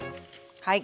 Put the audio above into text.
はい。